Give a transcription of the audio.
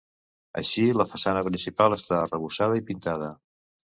Així la façana principal està arrebossada i pintada.